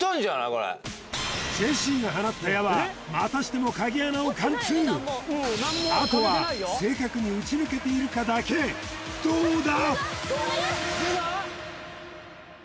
これジェシーが放った矢はまたしてもあとは正確に撃ち抜けているかだけどうだ！？